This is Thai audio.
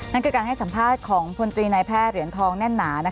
นั่นคือการให้สัมภาษณ์ของพลตรีนายแพทย์เหรียญทองแน่นหนา